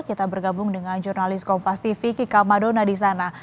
kita bergabung dengan jurnalis kompas tv kika madona di sana